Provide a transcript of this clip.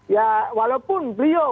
ya walaupun beliau